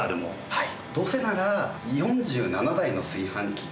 はい。